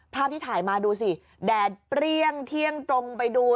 ภาพที่ถ่ายมาดูสิแดดเปรี้ยงเที่ยงตรงไปดู